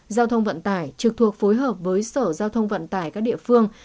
giao thông vận tải trực thuộc phối hợp với sở giao thông vận tải các địa phương